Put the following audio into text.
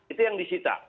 itu yang disita